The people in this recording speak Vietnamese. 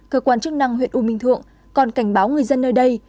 cơ quan chức năng huyện u minh thượng còn cảnh báo người dân nơi đây